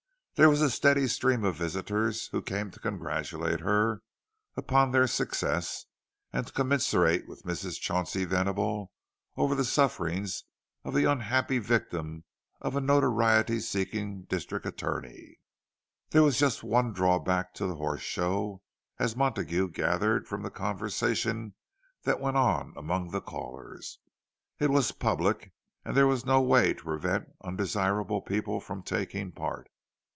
There was a steady stream of visitors, who came to congratulate her upon their successes, and to commiserate with Mrs. Chauncey Venable over the sufferings of the unhappy victim of a notoriety seeking district attorney. There was just one drawback to the Horse Show, as Montague gathered from the conversation that went on among the callers: it was public, and there was no way to prevent undesirable people from taking part.